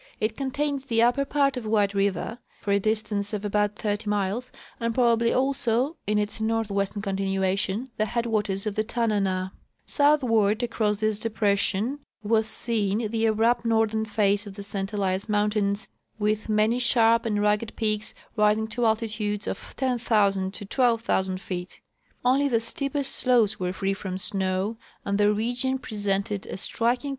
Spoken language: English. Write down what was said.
It contains the upper part of White river for a distance of about thirty miles, and probably also in its north Avestern continuation the headAvaters of the Tananah. South Avard across this de]3ression Avas seen the abrupt northern face of the St Elias mountains, Avith many sharp and rugged peaks rising to altitudes of 10,000 to 12,000 feet. Only the steepest slopes Avere free from snoAV, and the region presented a striking Plains and Snow Fields.